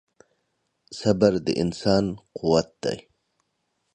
• صبر د انسان قوت دی.